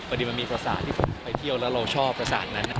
อันนี้มันมีประสาทที่คุณไปเที่ยวแล้วเราชอบประสาทนั้น